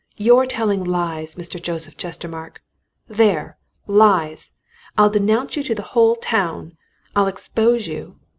You're telling lies, Mr. Joseph Chestermarke there! Lies! I'll denounce you to the whole town I'll expose you!